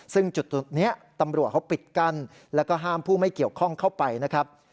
ซึ่งจุดตรงนี้ตำรวจเขาปิดกั้นแล้วก็ห้ามผู้ไม่เกี่ยวข้องเข้าไปนะครับ